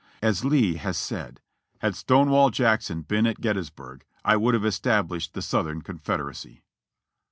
As Lee has said : "Had Stonewall Jackson been at Gettysburg, I would have es tablished the Southern Confederacy."